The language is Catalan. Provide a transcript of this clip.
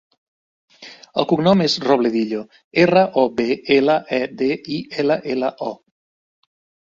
El cognom és Robledillo: erra, o, be, ela, e, de, i, ela, ela, o.